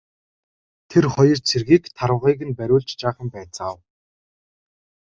Тэр хоёр цэргийг тарвагыг нь бариулж жаахан байцаав.